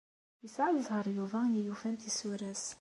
Yesɛa ẓẓher Yuba i yufan tisura-s.